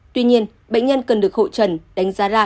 tuy nhiên bệnh nhân cần được hội trần đánh giá ra